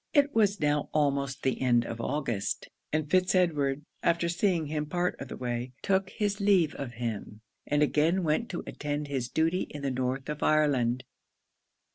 It was now almost the end of August; and Fitz Edward, after seeing him part of the way, took his leave of him, and again went to attend his duty in the North of Ireland.